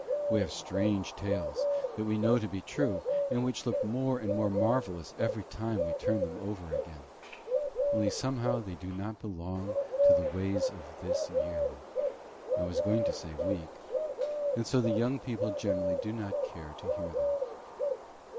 We have strange tales, that we know to be true, and which look more and more marvellous every time we turn them over again; only somehow they do not belong to the ways of this year I was going to say week, and so the young people generally do not care to hear them.